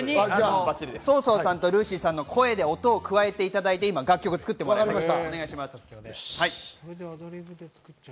ＳＯ−ＳＯさんとＲＵＳＹさんの声で音を加えていただいて、楽曲を作っていただきました。